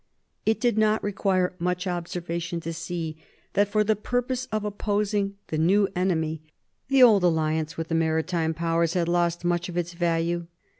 It did not require much observation to see that for the purpose of opposing the new enemy, the old alliance with the Maritime Powers had lost much of its value.